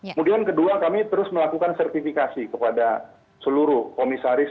kemudian kedua kami terus melakukan sertifikasi kepada seluruh komisaris